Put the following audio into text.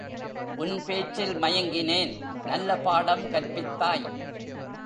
உன் பேச்சில் மயங்கினேன் நல்ல பாடம் கற்பித்தாய்!